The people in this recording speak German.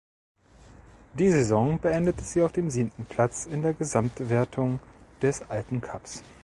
Die Saison beendete sie auf dem siebten Platz in der Gesamtwertung des Alpencups.